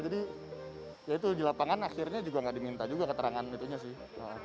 jadi ya itu di lapangan akhirnya juga gak diminta juga keterangan itunya sih